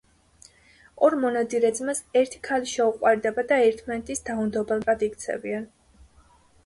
ორ მონადირე ძმას ერთი ქალი შეუყვარდებათ და ერთმანეთის დაუნდობელ მტრად იქცევიან.